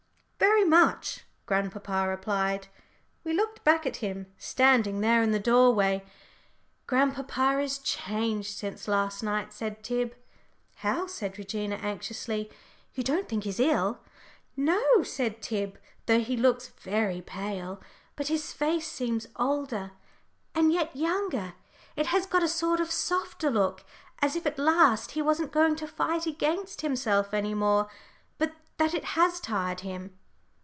"Very much," grandpapa replied. We looked back at him, standing there in the doorway. "Grandpapa is changed since last night," said Tib. "How?" said Regina, anxiously. "You don't think he's ill?" "No," said Tib, "though he does look very pale. But his face seems older and yet younger. It has got a sort of softer look, as if at last he wasn't going to fight against himself anymore, but that it has tired him."